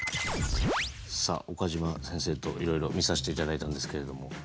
さあ岡島先生といろいろ見させていただいたんですけれども。